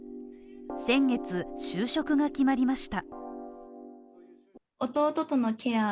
先月、就職が決まりました。